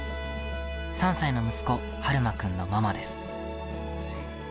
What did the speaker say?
３歳の息子・晴眞君のママです。